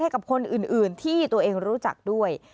กับคนอื่นที่ตัวเองรู้จักด้วย